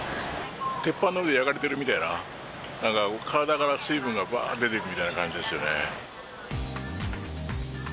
鉄板の上で焼かれてるみたいな、なんか体から水分がばー出ていくみたいな感じですよね。